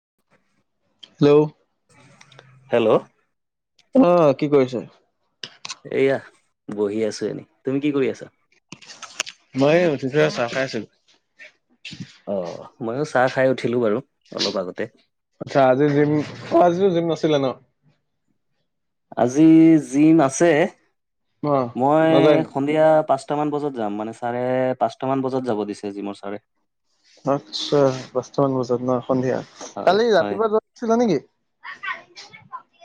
[unintelligible] Hello. Hello. আহ কি কৰিছে? এয়া, বহি আছো এনে তুমি কি কৰি আছা? মই উঠিছ চাহ খাই আছিলো। অঁ, মইও চাহ খাই উঠিলো বাৰু অলপ আগতে। আচ্ছা আজি জিম অঁ আজি জিম নাছিলে ন? আজি জিম আছে। অ', মই নাযায় নি? সন্ধিয়া পাঁচটা মান বজাত যাম মানে চাৰে পাঁচটা মান বজাত যাব দিছে জিমৰ চাৰে। আচ্ছা পাচটামান বজাত ন সন্ধিয়া হয় কালি হয় ৰাতিপুৱা যোৱা নাছিলা নেকি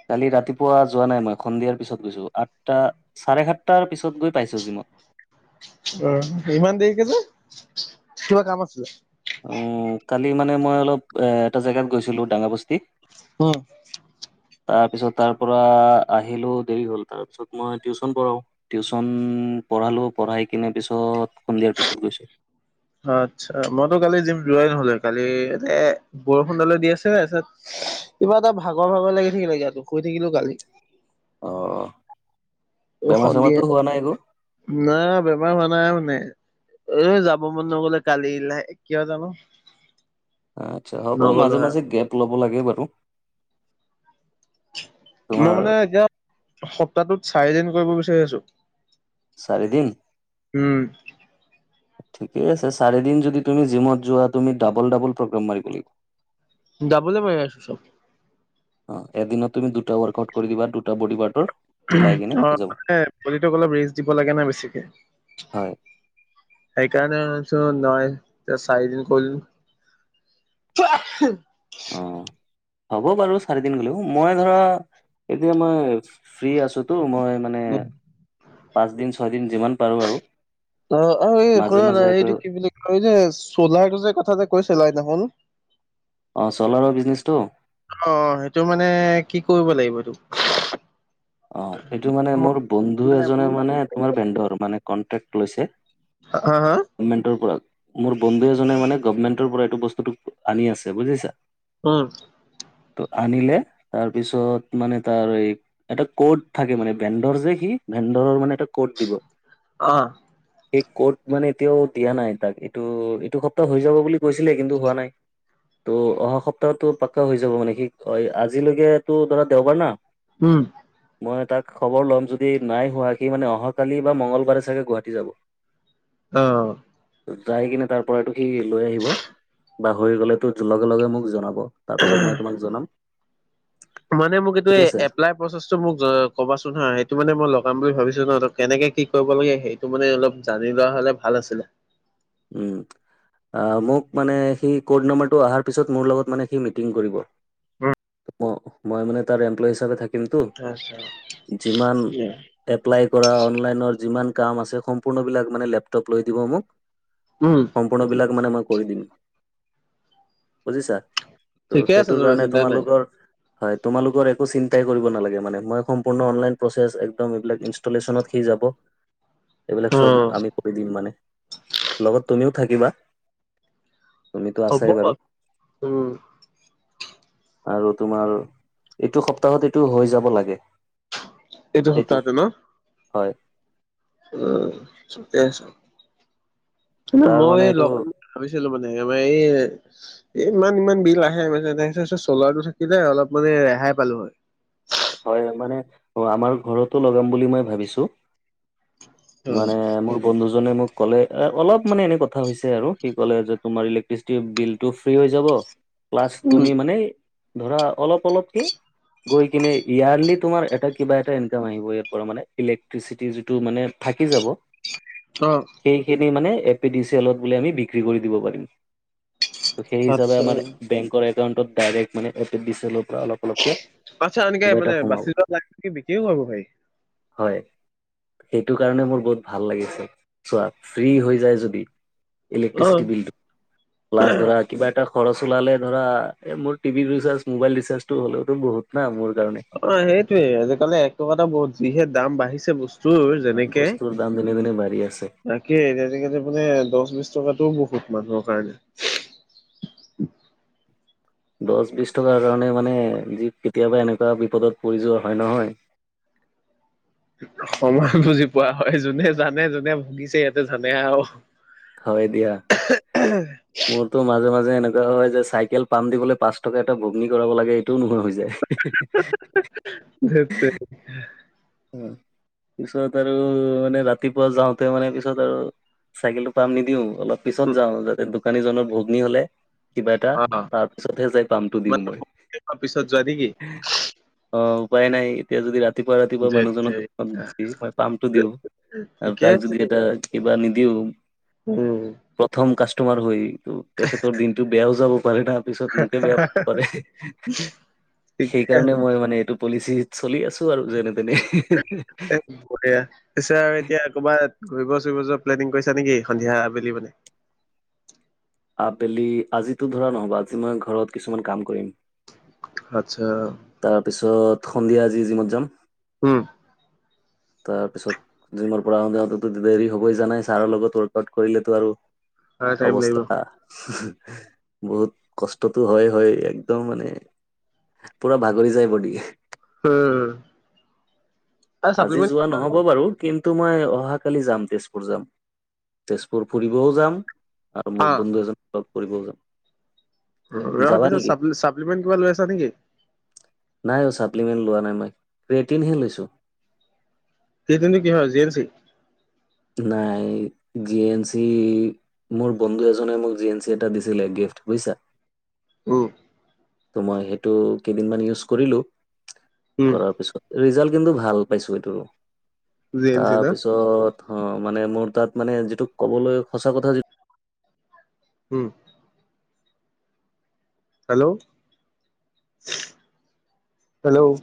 কালি ৰাতিপুৱা যোৱা নাই মই সন্ধিয়াৰ পিছত গৈছো আঠটা চাৰে সাতটাৰ পিছত গৈ পাইছো জিমত। [unintelligible] অঁ ইমান দেৰিকে যে কিবা কাম আছিলে অঁ কালি মানে মই অলপ এটা জেগাত গৈছিলো দাঙ বস্তি উম তাৰপিছত তাৰ পৰা আহিলোও দেৰি হ'ল তাৰপিছত মই টিউচন পঢ়াও টিউচন পঢ়ালো পঢ়াই কিনে পিছত সন্ধিয়াৰ পিছত গৈছো আচ্ছা মইতো কালি যিম ৰোৱাই নহলে কালি এ বৰষুণ দালে দি আছে তাৰপাছত কিবা এটা ভাগৰ ভাগৰ লাগি থাকিলে ইয়াতো শুই থাকিলো কালি আহঁ সন্ধিয়া নাই বেমাৰ হোৱা নাই মানে। এ যাব মন ন গলে কালিলাহে কিয় জানো আচ্ছা হ'ব নগ'লো মাজে আৰু। মাজে গেপ ল'ব লাগে বাৰু মই তোমাৰ মানে এতিয়া সপ্তাহটোত চাৰিদিন কৰিব বিচাৰি আছো চাৰি দিন। উম। ঠিকে আছে চাৰিদিন যদি তুমি জিমত যোৱা তুমি ডাবল ডাবল প্ৰগ্ৰেম মাৰিব লাগিব। যাবলৈ মাৰ আছো চব অঁ এদিনত তুমি দুটা ৱৰ্কআউট কৰি দিবা দুটা বডি পাৰ্টৰ মিলাই কিনে হৈ অঁ যাব মানে পলিটোক অলপ ৰিচ দিব লাগে নাই বেছিকে হয় সেই কাৰণেই। নহয় এ চাৰিদিন কৰিলো। অ হ'ব বাৰু চাৰি দিন গলেও মই ধৰা এতিয়া মই ফ্ৰী আছোতো মই মানে উম পাঁচদিন ছয়দিন যিমান পাৰোঁ আৰু অঁ আৰু এই মাজে শুনা মাজে আকৌ এইটো কি বুলি ক এই যে চোলাৰ যে কথা যে কৈছিলা সেইদিনাখন অঁ চলাৰৰ বিজনেছ টো? অঁ সেইটো মানে কি কৰিব লাগিব এইটো? অঁ এই টো মানে মোৰ বন্ধু এজনে মানে বেন্দৰ কনটেক্ট লৈছে। হা হা ন্টৰ পৰা মোৰ বন্ধু এজনে মানে গভমেন্টৰ পৰা বস্তুটো আনি আছে বুজিছা? উম। ত আনিলে তাৰপিছত মানে তাৰ এই এটা ক'ড থাকে মানে ভেন্ডৰ যে সি ভেণ্ডৰৰ মানে এটা ক'ড দিব। আহ এই ক'ড মানে এতিয়াও দিয়া নাই তাক এইটো - এইটো সপ্তাহ হৈ যাব বুলি কৈছিলে কিন্তু হোৱা নাই। ত অহা সপ্তাহো পাক্ককা হৈ যাব মানে সি আজিলৈকে তো ধৰা দেওবাৰ না উম। মই তাক খবৰ ল'ম যদি নাই হোৱা সি মানে অহাকালি বা মঙ্গলবাৰে চাগে গুৱাহাটী যাব৷ অহঁ যাই কিনে তাৰ পৰাইতটো সি লৈ আহিব বা হৈ গ'লে তো লগে-লগে তো মোক জনাব৷ তাৰ পিছত মই তোমাক জনাম৷ মানে মোক এইটো ঠিক আছে এপ্লাই প্ৰচেছ মোক কবাচোন হা সেইটো মানে মই লগাম বুলি ভাবিছো ন কেনেকে কি কৰিব লাগে সেইটো মানে অলপ জানি লোৱা হলে ভাল আছিলে৷ উম। অঁ মোক মানে সি ক'ড নাম্বাৰ তো অহাৰ পিছত মোৰ লগত মানে সি মিটিং কৰিব৷ মই মানে তাৰ এমপ্লয় হিচাপে থাকি থাকিম তো আচ্ছা যিমান এপ্লাই কৰা অনলাইন ৰ যিমান কাম আছে সম্পূৰ্ণ বিলাক মানে লেপটপ লৈ দিব মোক উম সম্পূৰ্ণ বিলাক মানে মই কৰি দিম বুজিছা ত' ঠিকে আছে সেইটোৰ তোমাৰ কাৰণে চিন্তা নাই তোমালোকৰ হয় তোমালোকৰ একো চিন্তাই কৰিব নালাগে মানে মই সম্পূৰ্ণ অনলাইন প্ৰচেছ একদম এইবিলাক ইনষ্টলিছেনত যাব এইবিলাক চব উম আমি কৰি দিম মানে। লগত তুমিও থাকিবা। তুমিতো হব আছাই বাৰু উম। আৰু তোমাৰ এইটো সপ্তাহত এইটো হৈ যাব লাগে। এইটো সপ্তাহতে ন? হয়। উম', ঠিকে আছে। মে তাৰ মই মানে এই এইটো লগ [unintelligible] ভাবিছিলো মানে আমাৰ এই এ ইমান-ইমান বিল আহে চলাৰটো থাকিলে অলপ মানে ৰেহাই পালো হয়। হয় মানে আমাৰ ঘৰতো লগাম বুলি মই ভাবিছোঁ। মানে উম মোৰ বন্ধুজনে মোক কলে অলপ মানে এনে কথা হৈছে আৰু সি কলে যে তোমাৰ ইলেক্ট্ৰিচিটিৰ বিলটো ফ্ৰী হৈ যাব। প্লাছ তুমি মানে ধৰা অলপ - অলপ কে। গৈ কিনে ইয়াৰলি তোমাৰ এটা কিবা এটা ইনকাম আহিব ইয়াৰ পৰা মানে ইলেক্ট্ৰিচিটি যিটো মানে থাকি যাব অ সেইখিনি মানে এ পি ডি চি এলত বুলি আমি বিক্ৰী কৰি দিব পাৰিম ত সেই হিচাপে আচ্ছা আমাৰ বেংকৰ এক একাউণ্টত ডাইৰেক্ মানে এ পি ডি চি এলত আচ্ছা এনেকে মানে সোমাব বাচি যোৱাক বিক্ৰীও কৰিব পাৰি হয়। সেইটো কাৰণে মোৰ বহুত ভাল লাগিছে চোৱা ফ্ৰী হৈ যায় যদি অ ইলেক্ট্ৰিচিটি বিলটো প্লাছ ধৰা কিবা এটা খৰচ চলালে ধৰা এ মোৰ টিভি ৰিচাৰ্জ মোবাইল ৰিচাৰ্জটো হলেওতো বহুত না মোৰ কাৰণে অ', সেইটোয়ে আজিকালি একো কটা বহুত যিহে দাম বাঢ়িছে বস্তু তোৰ যেনেকে, বস্তুৰ দাম দিনে দিনে বাঢ়ি আছে তাকে তেনেক মানে দহ বিশ টকাটো ব বহুত মানুহৰ কাৰণে। দহ বিশ টকাৰ কাৰণে মানে যি কেতিয়াবা এনেকুৱা বিপদত পৰি যোৱা হয় নহয়। সমান বুজি পোৱা হয় যোনে জানে যোনে ভুগিছে ইয়াতে জানে আৰু। হয় দিয়া। উ'। যে এনেকুৱা হয় যে চাইকেল পাম দিবলৈ পাঁচ টকা এটা ভগ্নি কৰাব লাগে এইটোও নহয় হৈ যায়। [unintelligible] ধেত তেৰি। উম'। পিছত আৰু মানে ৰাতিপুৱা যাওঁতে মানে পিছত আৰু চাইকেলটো পাম নিদিও। অলপ পিছত যাওঁ যাতে দোকানীজনৰ ভগ্নী হলে। কিবা এটা অ তাৰ পিছতহে যাই পামটো দিওঁ মই, তোমাৰ পিছত যোৱা নেকি? অ'। উপাই নাই এতিয়া যদি ৰাতি ধেৎ মানুহজনক তেৰি মই পামটো দিও, ঠিকে তাত আছে যদি এটা কিবা [unintelligible] উম'। তোমাৰ হয়। তেখেতৰ দিনটো বেয়াও যাব পালে তাৰ পিছত মোকে বেয়া পাব পাৰে। ঠিকে সেইকাৰণে মই মানে এইটো পলিচিত চলি আছো আৰু যেনে তেনে। এ বঢ়িয়া পিছে আৰু এতিয়া কবাত ঘূৰিব চুৰিব প্নিং কৰিছা নেকি সন্ধিয়া আবেলি মানে? আবেলি আজিতো ধৰা নহব আজি মই ঘৰত কিছুমান কাম কৰিম। আচ্ছা। তাৰপিছত সন্ধিয়া আজি জিমত যাম। উম'। [inaudible] তাৰপিছত জিমৰ পৰা আহোতে দেৰি হবই জানাই ছাৰৰ লগত ৱৰ্কআউট কৰিলে আৰু আৰু টাইম লাগিব অৱস্থা বহুত কষ্টতো হয়-হয় একদম মানে পুৰা ভাগৰি যায় বদি। হম'। আজি যোৱা নহব বাৰু কিন্তু তো মই অহাকালি যাম তেজপুৰ যাম, তেজপুৰ ফুৰিবও যাম। আৰু অ মোৰ বন্ধু এজন লগ কৰিবও জাম। তাৰপিছত চাপ্লিমেণ্ট কিবা লৈ আছা নেকি? ছাপ্লিমেণ্ট লোৱা নাই, মই পেটিম হে লৈছোঁ। সেইটো কিহৰ জি এম চি? নাই জি এম চি মোৰ বন্ধু এজনে মোক জিন্স এটা দিছিলে গিফ্ট বুজিছা? উম'। ত মই সেইটো কেইদিন মান ইউজ কৰিলোঁ, উম কৰাৰ পাচত ৰিজাল কিন্তু ভাল পাইছো এইটো জি এন চি ন তাৰপিছত অ', মানে মোৰ তাত মানে যিটো ক'বলৈ সঁচা কথা যি উম'। হেল্ল'? হেল্ল'?